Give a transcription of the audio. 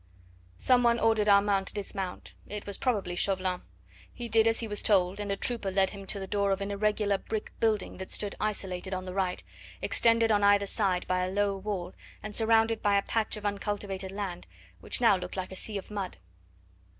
Some one ordered Armand to dismount. It was probably Chauvelin. He did as he was told, and a trooper led him to the door of an irregular brick building that stood isolated on the right, extended on either side by a low wall, and surrounded by a patch of uncultivated land, which now looked like a sea of mud.